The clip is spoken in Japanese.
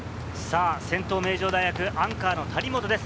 先頭・名城大学、アンカーの谷本です。